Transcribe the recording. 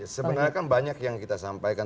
sebenarnya kan banyak yang kita sampaikan